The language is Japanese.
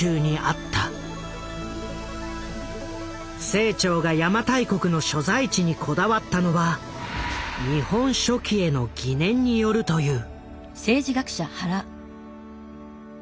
清張が邪馬台国の所在地にこだわったのは「日本書紀」への疑念によるという。